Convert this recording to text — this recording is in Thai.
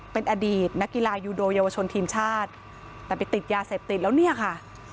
เป็นอดีตนักกีฬายูโดเยาวชนทีมชาติแต่ไปติดยาเสพติดแล้วเนี่ยค่ะ